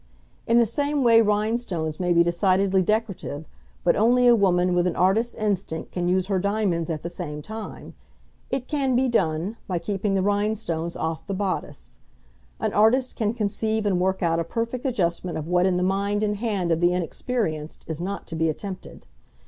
In the same way rhinestones may be decidedly decorative, but only a woman with an artist's instinct can use her diamonds at the same time. It can be done, by keeping the rhinestones off the bodice. An artist can conceive and work out a perfect adjustment of what in the mind and hand of the inexperienced is not to be attempted.